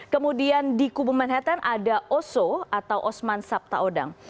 kemudian di kubu manhattan ada oso atau osman sabtaodang